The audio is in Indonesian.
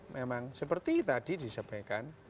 memang seperti tadi disampaikan